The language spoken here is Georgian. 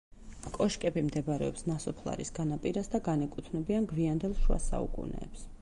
კოშკები მდებარეობს ნასოფლარის განაპირას და განეკუთვნებიან გვიანდელ შუა საუკუნეებს.